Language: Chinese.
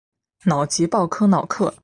瑙吉鲍科瑙克。